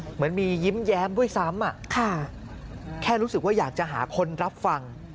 เหมือนมียิ้มแย้มด้วยซ้ำแค่รู้สึกว่าอยากจะหาคนรับฟัง